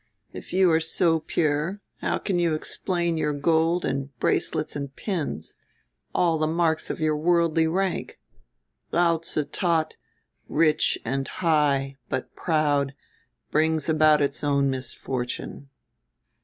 If you are so pure how can you explain your gold and bracelets and pins, all the marks of your worldly rank? Lao tze taught, 'Rich and high but proud brings about its own misfortune.'"